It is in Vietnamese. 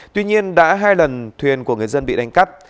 tuy nhiên đã hai lần thuyền của người dân bị đánh cắp